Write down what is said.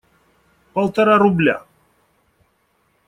Полтора рубля!